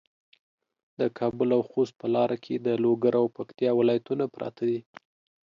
د کابل او خوست په لاره کې د لوګر او پکتیا ولایتونه پراته دي.